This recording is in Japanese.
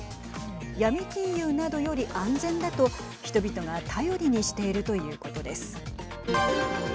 闇金融などより安全だと人々が頼りにしているということです。